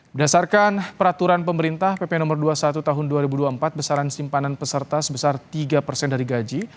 berdasarkan peraturan pemerintah pp no dua puluh satu tahun dua ribu dua puluh empat besaran simpanan peserta sebesar tiga persen dari gaji